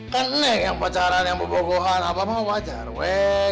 kan neng yang pacaran yang berbohongan abah mah wajar weh